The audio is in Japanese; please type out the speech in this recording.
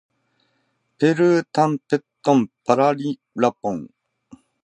ペルータンペットンパラリラポン